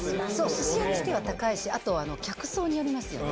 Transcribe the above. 寿司屋にしては高いし、あとは客層によりますよね。